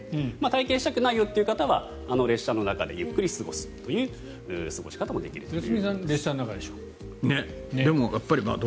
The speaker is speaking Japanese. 体験したくないよっていう人は列車の中でゆっくり過ごすという過ごし方もできるという。